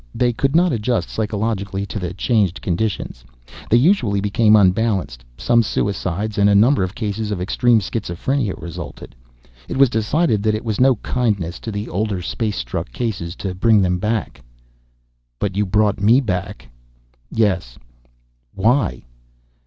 "They could not adjust psychologically to changed conditions. They usually became unbalanced. Some suicides and a number of cases of extreme schizophrenia resulted. It was decided that it was no kindness to the older space struck cases to bring them back." "But you brought me back?" "Yes." "Why?"